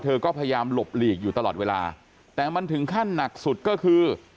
เธอก็พยายามหลบหลีกอยู่ตลอดเวลาแต่มันถึงขั้นหนักสุดก็คือ